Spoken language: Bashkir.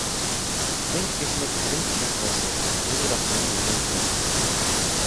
Мең кешенең һүҙен ишеткәнсе, бер яҡшының йөҙөн күр.